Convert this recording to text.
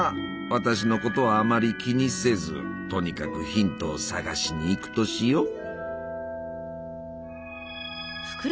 私のことはあまり気にせずとにかくヒントを探しに行くとしよう。